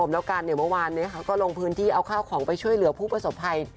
แล้วกันเมื่อวานก็ลงพื้นที่เอาข้าวของไปช่วยเหลือผู้ประสบภัย